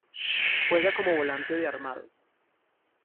Juega como volante de armado.